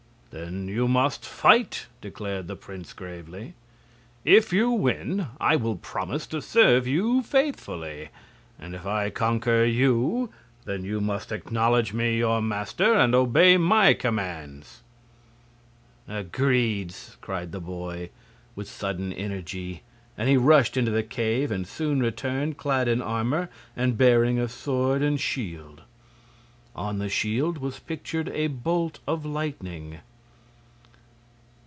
"Then you must fight," declared the prince, gravely. "If you win, I will promise to serve you faithfully; and if I conquer you, then you must acknowledge me your master, and obey my commands." "Agreed!" cried the boy, with sudden energy, and he rushed into the cave and soon returned clad in armor and bearing a sword and shield. On the shield was pictured a bolt of lightning.